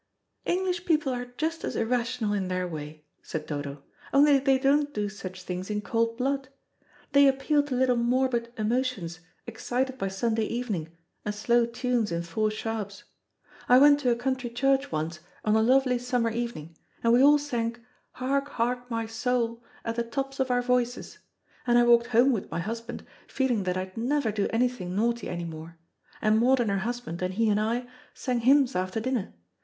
"English people are just as irrational in their way," said Dodo, "only they don't do such things in cold blood. They appeal to little morbid emotions, excited by Sunday evening and slow tunes in four sharps. I went to a country church once, on a lovely summer evening, and we all sang, 'Hark, hark, my soul!' at the tops of our voices, and I walked home with my husband, feeling that I'd never do anything naughty any more, and Maud and her husband, and he and I, sang hymns after dinner.